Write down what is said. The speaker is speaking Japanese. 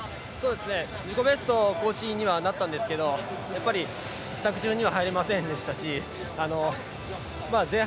自己ベスト更新にはなったんですけど着順には入れませんでしたし前半